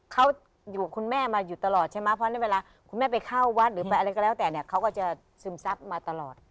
เขาอยู่คุณแม่มาอยู่ตลอดใช่ไหมเพราะในเวลาคุณแม่ไปเข้าวัดหรือไปอะไรก็แล้วแต่เนี่ยเขาก็จะซึมซับมาตลอด